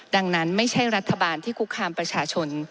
ดังนั้นไม่ใช่รัฐบาลที่คุกคามประชาชน